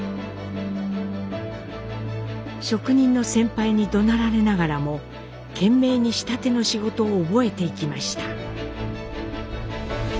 職人の先輩にどなられながらも懸命に仕立ての仕事を覚えていきました。